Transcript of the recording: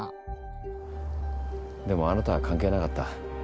でもあなたは関係なかった。